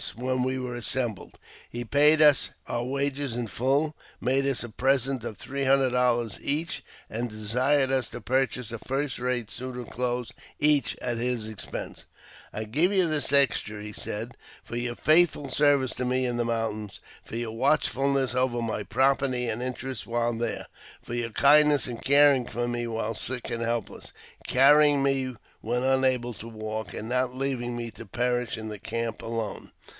When we were assembled, he paid us our wages in full, made us a present of three hundred dollars each, and desired us to purchase a first rate suit of clothes each at his expense. " I give you this extra," he said, " for your faithful services to me in the mountains ; for your watchfulness over my property and interest while there ; for your kindness in caring for me while sick and helpless, carrying me when unable to walk, and not leaving me to perish in the camp alone."